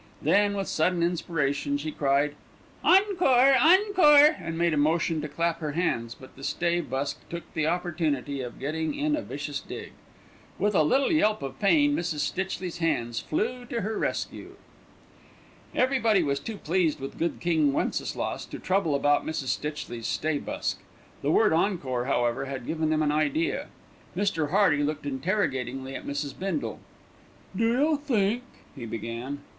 Then, with sudden inspiration, she cried, "Encore! Encore!" and made a motion to clap her hands; but the stay busk took the opportunity of getting in a vicious dig. With a little yelp of pain, Mrs. Stitchley's hands flew to her rescue. Everybody was too pleased with "Good King Wenceslas" to trouble about Mrs. Stitchley's stay busk. The word "encore," however, had given them an idea. Mr. Hearty looked interrogatingly at Mrs. Bindle. "Do you think " he began.